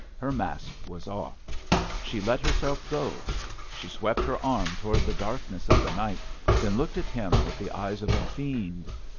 Her mask was off. She let herself go. She swept her arm toward the darkness of the night, then looked at him with the eyes of a fiend.